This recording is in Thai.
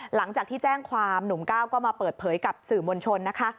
หลังจากที่แจ้งความหนุ่มก้าวก็มาเปิดเผยกับสื่อมวลชนนะคะ